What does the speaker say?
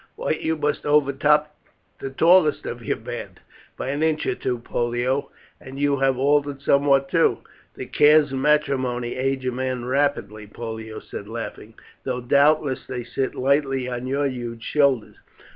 Why, you must overtop the tallest of your band." "By an inch or two, Pollio. And you have altered somewhat too." "The cares of matrimony age a man rapidly," Pollio said laughing, "though doubtless they sit lightly on your huge shoulders.